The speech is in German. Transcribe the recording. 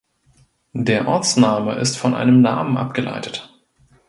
Der Ortsname ist von einem Namen abgeleitet.